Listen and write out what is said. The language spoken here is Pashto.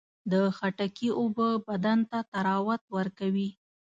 د خټکي اوبه بدن ته طراوت ورکوي.